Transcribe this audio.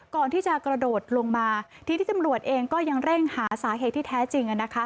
ก่อนที่จะกระโดดลงมาทีนี้ตำรวจเองก็ยังเร่งหาสาเหตุที่แท้จริง